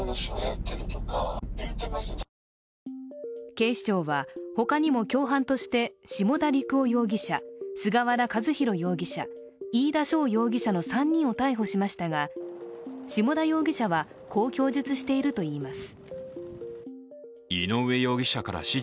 警視庁は、他にも共犯として下田陸朗容疑者菅原和宏容疑者、飯田翔容疑者の３人を逮捕しましたが、下田容疑者はこう供述しているといいます。